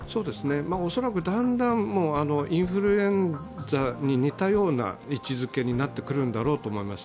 恐らくだんだん、インフルエンザに似たような位置づけになってくるんだろうと思います。